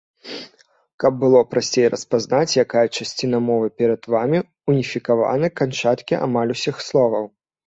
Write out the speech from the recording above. Каб было прасцей распазнаць, якая часціна мовы перад вамі, уніфікаваны канчаткі амаль усіх словаў.